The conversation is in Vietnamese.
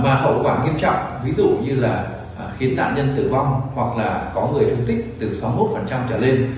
và hậu quả nghiêm trọng ví dụ như là khiến nạn nhân tử vong hoặc là có người thương tích từ sáu mươi một trở lên